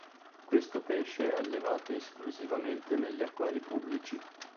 Questo pesce è allevato esclusivamente negli acquari pubblici.